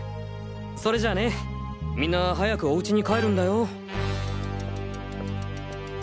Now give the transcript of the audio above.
それじゃあねみんな早くおうちに帰るんだよ。